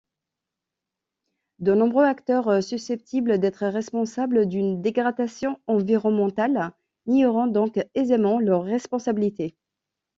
De nombreux acteurs susceptibles d’être responsables d'une dégradation environnementale nieront donc aisément leur responsabilité.